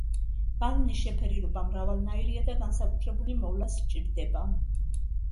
ბალნის შეფერილობა მრავალნაირია და განსაკუთრებული მოვლა სჭირდება.